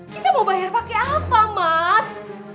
kita mau bayar pakai apa mas